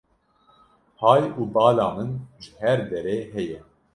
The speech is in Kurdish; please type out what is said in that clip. Hay û bala min ji her derê heye